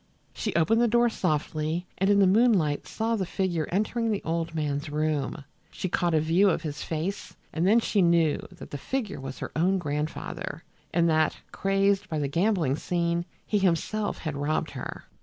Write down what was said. She opened the door softly, and in the moonlight saw the figure entering the old man's room. She caught a view of his face and then she knew that the figure was her own grandfather, and that, crazed by the gambling scene, he himself had robbed her!